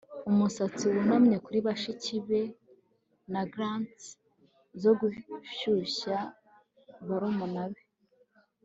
umusatsi wunamye kuri bashiki be na gants zo gushyushya barumuna be